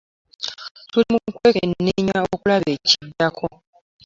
“Tuli mu kwekenneenya okulaba ekiddako